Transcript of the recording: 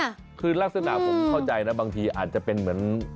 คือลักษณะผมเข้าใจนะบางทีอาจจะเป็นเหมือน